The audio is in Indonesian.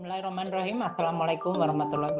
assalamualaikum wr wb